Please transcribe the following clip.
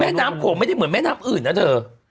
น้ำโขงไม่ได้เหมือนแม่น้ำอื่นนะเธอ